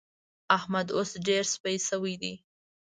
احمد اوس ډېر سپي شوی دی.